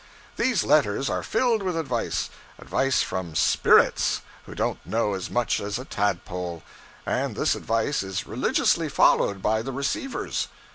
These letters are filled with advice advice from 'spirits' who don't know as much as a tadpole and this advice is religiously followed by the receivers.